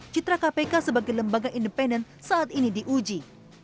citra kpk sebagai lembaga independen saat ini diuji